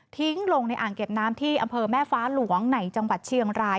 ลงในอ่างเก็บน้ำที่อำเภอแม่ฟ้าหลวงในจังหวัดเชียงราย